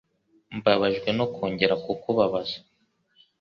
Mbabajwe no kongera kukubabaza.